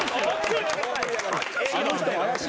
あの人も怪しい。